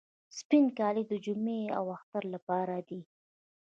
سپین کالي د جمعې او اختر لپاره دي.